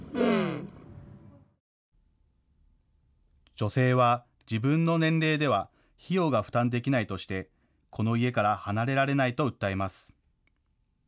女性は自分の年齢では費用が負担できないとして、この家から離れられないと訴えます。